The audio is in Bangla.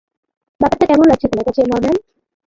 ব্যাপারটা কেমন লাগছে তোমার কাছে, নরম্যান?